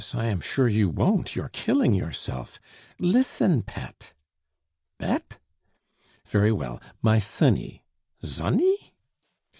I am sure you won't, you are killing yourself. Listen, pet!" "Bet?" "Very well, my sonny " "Zonny?"